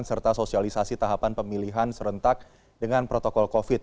serta sosialisasi tahapan pemilihan serentak dengan protokol covid